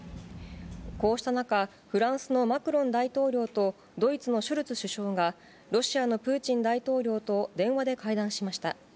こうした中、フランスのマクロン大統領とドイツのショルツ首相が、ロシアのプーチン大統領と電話で会談しました。